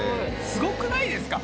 すごくないですか？